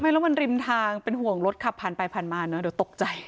แล้วมันริมทางเป็นห่วงรถขับผ่านไปผ่านมาเนอะเดี๋ยวตกใจ